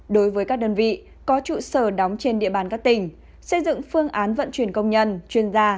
đối với các đơn vị có trụ sở đóng trên địa bàn các tỉnh xây dựng phương án vận chuyển công nhân chuyên gia